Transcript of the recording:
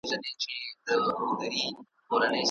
پیسې د دولت په خزانه کې جمع کېږي